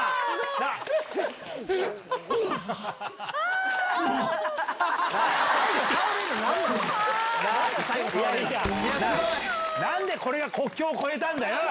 なんでこれが国境を越えたんだよ。